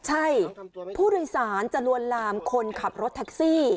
ใช่ผู้โดยสารจะลวนลามคนขับรถแท็กซี่